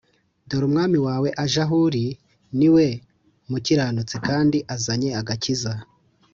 ‘dore umwami wawe aje aho uri ni we mukiranutsi kandi azanye agakiza!’